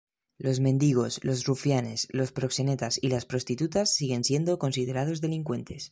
Los mendigos, los rufianes, los proxenetas y las prostitutas siguen siendo considerados delincuentes.